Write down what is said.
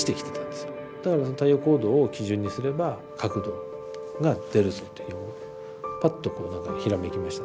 太陽高度を基準にすれば角度が出るぞというぱっとこう何かひらめきました。